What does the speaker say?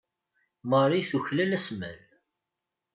Marie tuklal asmal.